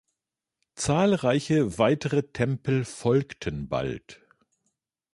Zahlreiche weitere Tempel folgten bald.